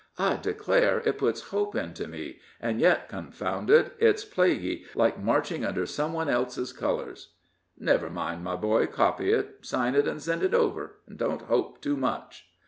I declare, it puts hope into me; and yet, confound it, it's plaguy like marching under some one else's colors." "Never mind, my boy, copy it, sign it, and send it over, and don't hope too much."